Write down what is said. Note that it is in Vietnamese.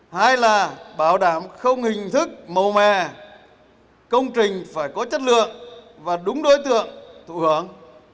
hai là bảo đảm không hình thức màu mè công trình phải có chất lượng và đúng đối tượng